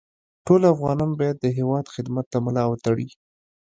ټول افغانان باید د هېواد خدمت ته ملا وتړي